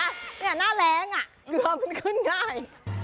หน้าแรงอ่ะเกลือมันขึ้นง่าย